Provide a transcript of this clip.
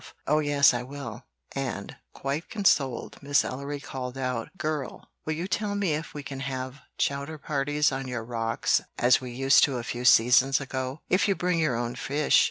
"Oh yes, I will!" and, quite consoled, Miss Ellery called out, "Girl, will you tell me if we can have chowder parties on your rocks as we used to a few seasons ago?" "If you bring your own fish.